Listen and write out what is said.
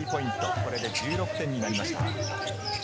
これで１６点になりました。